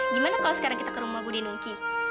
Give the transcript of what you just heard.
gimana kalau sekarang kita ke rumah budi nungki